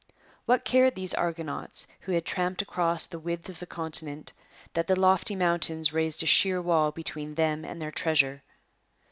What cared these argonauts, who had tramped across the width of the continent, that the lofty mountains raised a sheer wall between them and their treasure?